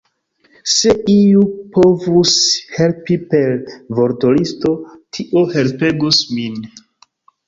Se iu povus helpi per vortolisto, tio helpegus min!